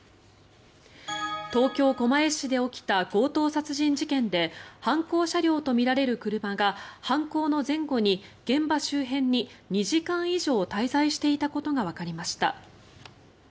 東京・狛江市で起きた強盗殺人事件で犯行車両とみられる車が犯行の前後に現場周辺に２時間以上滞在していたことがわかりました。